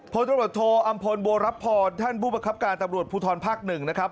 พศอัมพลโบรับพอร์ท่านผู้ประคับการตำรวจภูทรภักดิ์หนึ่งนะครับ